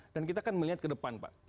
dan kita akan melihat ke depan pak